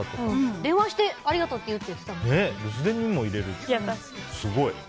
電話して、ありがとうって言うって言ってたので。